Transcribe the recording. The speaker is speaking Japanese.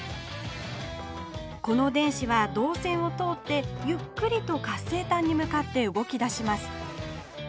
この電子はどうせんを通ってゆっくりと活性炭に向かって動きだします